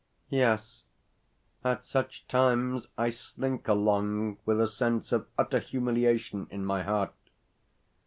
Yes, at such times I slink along with a sense of utter humiliation in my heart.